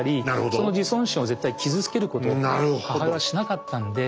その自尊心を絶対傷つけることを母親はしなかったんで。